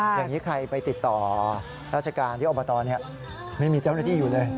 อย่างนี้ใครไปติดต่อราชการที่อบตไม่มีเจ้าหน้าที่อยู่เลย